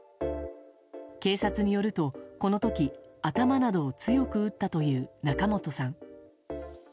警察によると、この時頭などを強く打ったという仲本さん。